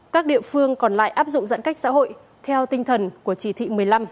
các địa phương còn lại áp dụng giãn cách xã hội theo tinh thần của chỉ thị một mươi năm